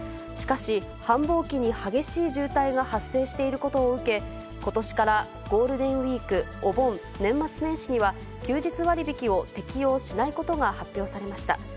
しかし、繁忙期に激しい渋滞が発生していることを受け、ことしからゴールデンウィーク、お盆、年末年始には、休日割引を適用しないことが発表されました。